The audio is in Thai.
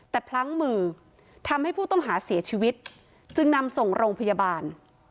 แต่พลั้งมือทำให้ผู้ต้องหาเสียชีวิตจึงนำส่งโรงพยาบาล